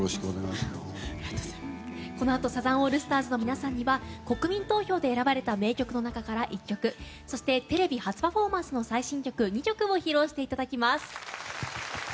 このあとサザンオールスターズの皆さんには国民投票で選ばれた曲から１曲そしてテレビ初パフォーマンスの最新曲２曲を披露していただきます。